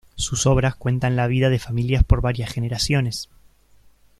Sus obras cuentan la vida de familias por varias generaciones.